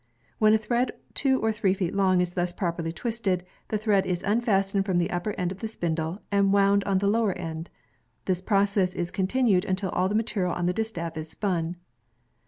When a thread two or three feet long is thus properly twisted, the thread is unfastened from the upper end of the spindle and wound on the lower end. This process is continued until all the material on the distaff is spun.